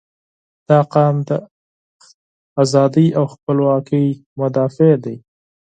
• دا قوم د ازادۍ او خپلواکۍ مدافع دی.